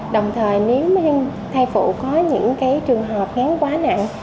đồng thời nếu thai phụ có những trường hợp kháng quá nặng